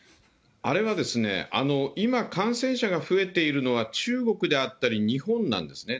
あれはですね、今、感染者が増えているのは、中国であったり日本なんですね。